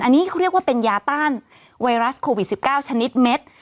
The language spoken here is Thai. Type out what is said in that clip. อันนี้เขาเรียกว่าเป็นยาต้านไวรัสโควิด๑๙ชนิดเม็ด